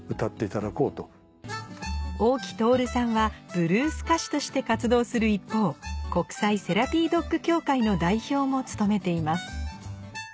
ブルース歌手として活動する一方国際セラピードッグ協会の代表も務めています